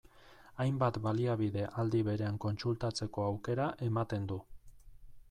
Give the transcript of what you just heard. Hainbat baliabide aldi berean kontsultatzeko aukera ematen du.